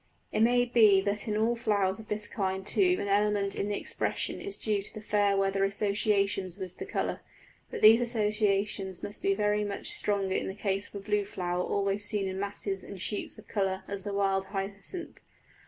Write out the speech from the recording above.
It may be that in all flowers of this kind too an element in the expression is due to the fair weather associations with the colour; but these associations must be very much stronger in the case of a blue flower always seen in masses and sheets of colour as the wild hyacinth.